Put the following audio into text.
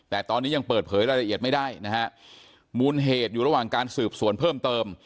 แต่ตอนนี้ยังเปิดเผยรายละเอียดไม่ได้นะฮะมูลเหตุอยู่ระหว่างการสืบสวนเพิ่มเติม